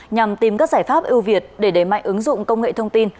nhằm tìm các giải pháp ưu việt để đẩy mạnh ứng dụng công nghệ thông tin